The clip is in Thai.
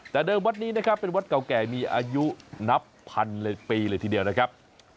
แต่เดิมวัดนี้นะครับเป็นวัดเก่าแก่มีอายุนับพันเลยปีเลยทีเดียวนะครับ